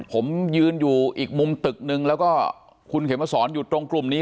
ผมยืนอยู่อีกมุมตึกนึงแล้วก็คุณเขมสอนอยู่ตรงกลุ่มนี้